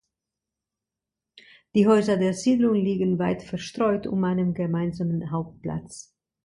Die Häuser der Siedlung liegen weit verstreut um einen gemeinsamen Hauptplatz.